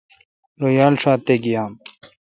روتھ یال ݭات تے گیام۔